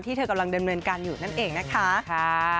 ที่เธอกำลังเดินเมืองกันอยู่นั่นเองนะคะ